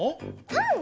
パン？